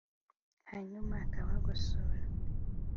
hanyuma akabagosora